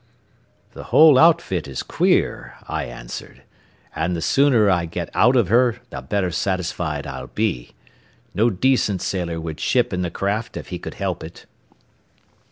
"The whole outfit is queer," I answered, "and the sooner I get out of her, the better satisfied I'll be. No decent sailor would ship in the craft if he could help it."